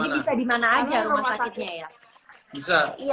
ini bisa dimana aja rumah sakitnya ya